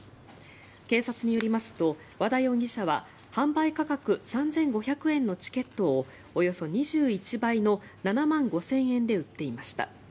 警察によりますと、和田容疑者は販売価格３５００円のチケットをおよそ２１倍の７万５０００円で売っていました。